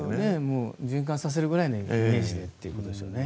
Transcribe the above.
循環させるぐらいのイメージでということですよね。